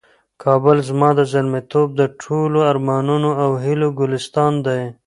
کابل زما د زلمیتوب د ټولو ارمانونو او هیلو ګلستان دی.